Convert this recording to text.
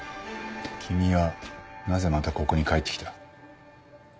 君はなぜまたここに帰ってきた？